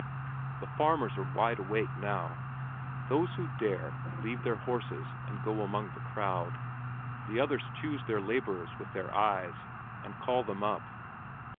The farmers are wide awake now. Those who dare, leave their horses and go among the crowd; the others choose their laborers with their eyes, and call them up.